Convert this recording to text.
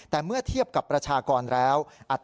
แต่เมื่อเทียบกับประชากรแล้ว